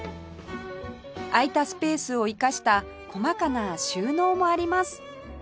空いたスペースを生かした細かな収納もあります